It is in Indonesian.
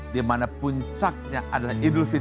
dimana puncaknya adalah idul fitri